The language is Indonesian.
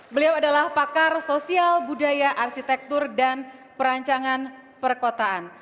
beliau adalah pakar sosial budaya arsitektur dan perancangan perkotaan